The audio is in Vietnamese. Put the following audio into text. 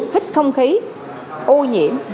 thích không khí ô nhiễm